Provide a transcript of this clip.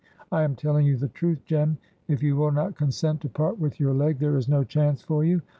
I am telling you the truth, Jem. If you will not consent to part with your leg, there is no chance for you.'